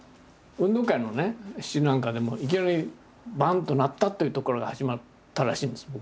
運動会の詩なんかでもいきなりバンッと鳴ったっていうとこから始まったらしいんですよ